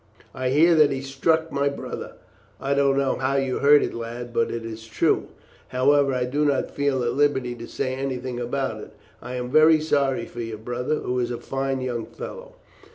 "I hear that he struck my brother." "I don't know how you heard it, lad, but it is true. However, I do not feel at liberty to say anything about it. I am very sorry for your brother, who is a fine young fellow.